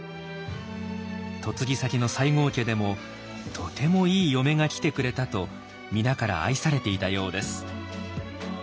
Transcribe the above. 嫁ぎ先の西郷家でも「とてもいい嫁が来てくれた」と皆から愛されていたようです。